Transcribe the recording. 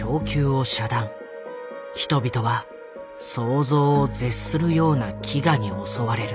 人々は想像を絶するような飢餓に襲われる。